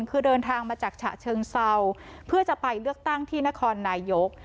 คือเดินทางมาจากฉะเชิงเซาเพื่อจะไปเลือกตั้งที่นครนายก